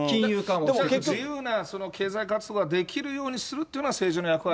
結局自由な経済活動ができるようにするというのは、政治の役割で。